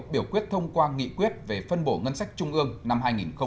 biểu quyết thông qua nghị quyết về phân bổ ngân sách trung ương năm hai nghìn hai mươi